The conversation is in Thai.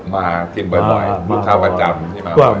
มากินบ่อยลูกค้าประจำ